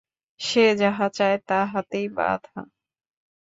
সে যাহা চায় তাহাতেই বাধা?